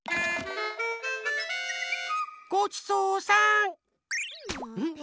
ごちそうさん。